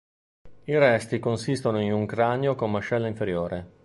I resti consistono in un cranio con mascella inferiore.